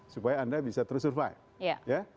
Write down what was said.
supaya anda bisa terus survive